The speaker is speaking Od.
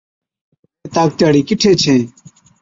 مين طاقتِي هاڙَي ڪِٺي ڇَين،